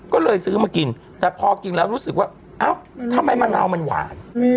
ก็เลยซื้อมากินแต่พอกินแล้วรู้สึกว่าเอ้าทำไมมะนาวมันหวาน